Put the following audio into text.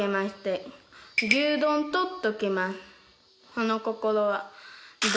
その心は。